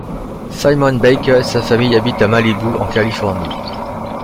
Simon Baker et sa famille habitent à Malibu, en Californie.